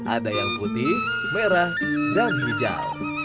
ada yang putih merah dan hijau